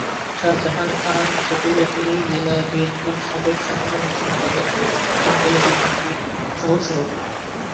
শাহজাহান খান পটুয়াখালী জেলা বিএনপি’র সাবেক সাধারণ সম্পাদক ও বর্তমান জেলা বিএনপির-সহ সভাপতি।